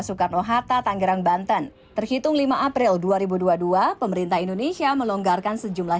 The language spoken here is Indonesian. soekarno hatta tanggerang banten terhitung lima april dua ribu dua puluh dua pemerintah indonesia melonggarkan sejumlah